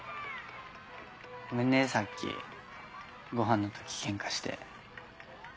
ごめんねさっきごはんの時ケンカして。